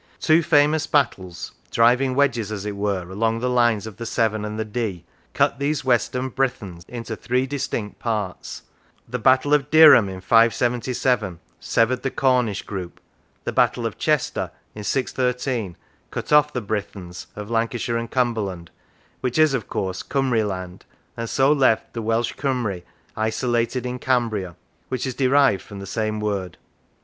Two famous battles, driving wedges, as it were, along the lines of the Severn and the Dee, cut these western Brythons into three distinct parts : the battle of Deorham in 577, severed the Cornish group; the battle of Chester, in 613, cut off the Brythons of Lancashire and Cumberland (which is, of course, Cymri land), and so left the Welsh Cymri isolated in Cambria (which is derived from the same word).